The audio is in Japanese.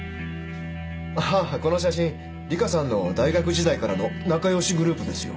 ああこの写真里香さんの大学時代からの仲良しグループですよ。